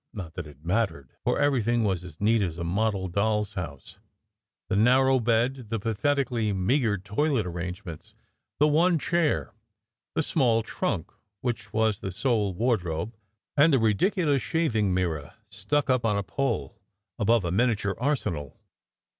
Not that it mattered, for everything was as neat as a model doll s house: the narrow bed, the patheti cally meagre toilet arrangements, the one chair, the small 98 SECRET HISTORY trunk which was the sole wardrobe, and the ridiculous shav ing mirror stuck up on a pole, above a miniature arsenal.